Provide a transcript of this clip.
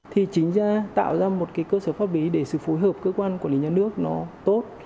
thì chính ra tạo ra một cái cơ sở pháp lý để sự phối hợp cơ quan quản lý nhà nước nó tốt